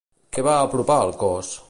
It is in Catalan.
Què va apropar al cos?